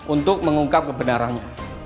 untuk mengungkap kebenarannya